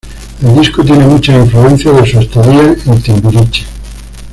El disco tiene muchas influencias de su estadía en Timbiriche.